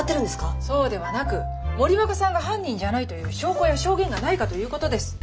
そうではなく森若さんが犯人じゃないという証拠や証言がないかということです。